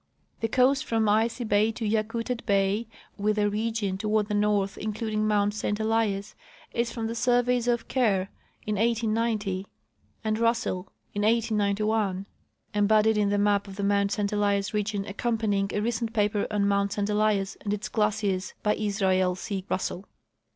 The coast from Icy bay to Yakutat bay, with the region to ward the north including mount St Elias, is from the surveys of Kerr in 1890 and Russell in 1891, embodied in the maj) of the mount St Elias region accompanying a recent paper on mount St Elias and its glaciers by Israel C. Russell.